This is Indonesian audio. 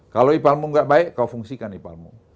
kalau ipal mu nggak baik kau fungsikan ipal mu